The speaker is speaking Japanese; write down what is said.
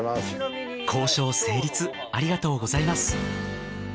交渉成立ありがとうございます。